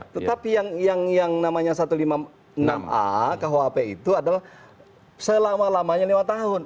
tetapi yang namanya satu ratus lima puluh enam a kuhp itu adalah selama lamanya lima tahun